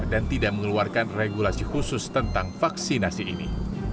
dan tidak mengeluarkan regulasi khusus tentang vaksinasi ini